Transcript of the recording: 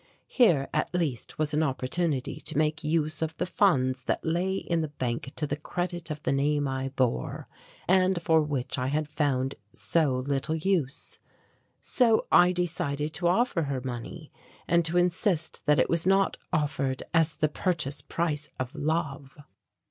Here at least was an opportunity to make use of the funds that lay in the bank to the credit of the name I bore, and for which I had found so little use. So I decided to offer her money, and to insist that it was not offered as the purchase price of love.